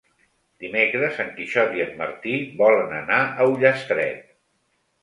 Dimecres en Quixot i en Martí volen anar a Ullastret.